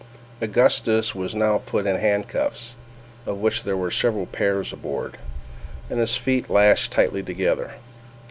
Augustus was now put in handcuffs (of which there were several pairs on board), and his feet lashed tightly together.